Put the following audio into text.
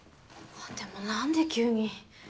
でもなんで急に。